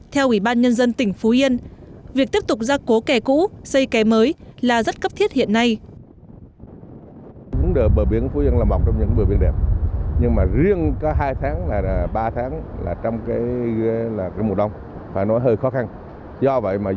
theo ủy ban nhân dân tỉnh phú yên việc tiếp tục ra cố kè cũ xây kè mới là rất cấp thiết hiện nay